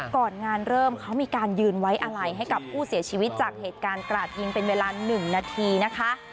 ก่อนงานเริ่มเขามีการยืนไว้อะไรให้กับผู้เสียชีวิตจากเหตุการณ์กราดยิงเป็นเวลา๑นาทีนะคะ